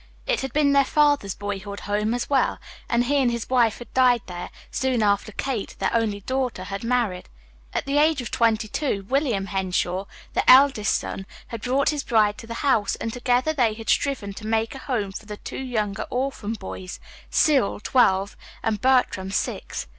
It had been their father's boyhood home, as well, and he and his wife had died there, soon after Kate, the only daughter, had married. At the age of twenty two, William Henshaw, the eldest son, had brought his bride to the house, and together they had striven to make a home for the two younger orphan boys, Cyril, twelve, and Bertram, six.